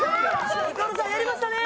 ニコルさんやりましたね！